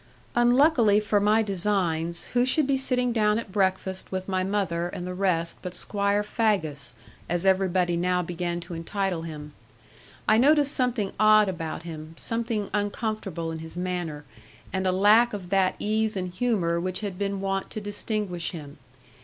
Unluckily for my designs, who should be sitting down at breakfast with my mother and the rest but Squire Faggus, as everybody now began to entitle him. I noticed something odd about him, something uncomfortable in his manner, and a lack of that ease and humour which had been wont to distinguish him.